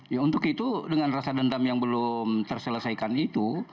ya untuk itu dengan rasa dendam yang belum terselesaikan itu